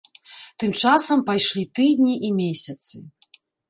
Тым часам пайшлі тыдні і месяцы.